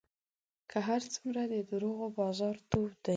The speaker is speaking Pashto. که هر څومره د دروغو بازار تود دی